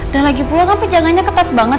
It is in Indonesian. dan lagi pula kamu jaganya ketat banget